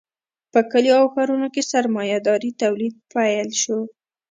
په کلیو او ښارونو کې سرمایه داري تولید پیل شو.